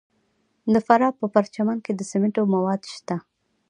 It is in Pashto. د فراه په پرچمن کې د سمنټو مواد شته.